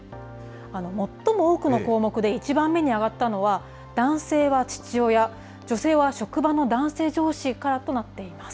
最も多くの項目で１番目に挙がったのは、男性は父親、女性は職場の男性上司からとなっています。